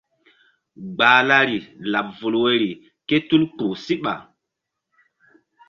Gbahlari laɓ vul woyri ké tul kpuh síɓa.